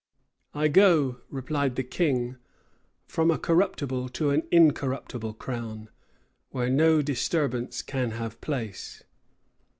"I go," replied the king, "from a corruptible to an incorruptible crown; where no disturbance can have place."